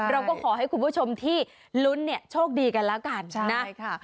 เราก็ขอให้คุณผู้ชมที่ลุ้นเนี่ยโชคดีกันแล้วกันนะใช่ค่ะ